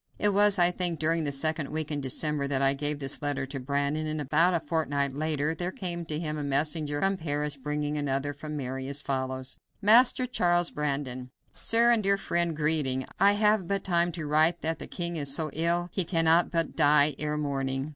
It was, I think, during the second week in December that I gave this letter to Brandon, and about a fortnight later there came to him a messenger from Paris, bringing another from Mary, as follows: "Master Charles Brandon: "Sir and Dear Friend, Greeting I have but time to write that the king is so ill he cannot but die ere morning.